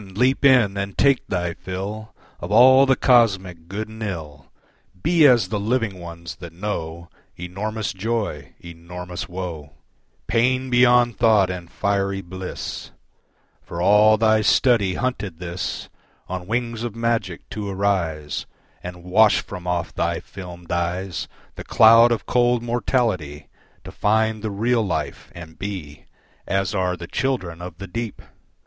Leap in and take thy fill Of all the cosmic good and ill, Be as the Living ones that know Enormous joy, enormous woe, Pain beyond thought and fiery bliss: For all thy study hunted this, On wings of magic to arise, And wash from off thy filmed eyes The cloud of cold mortality, To find the real life and be As are the children of the deep!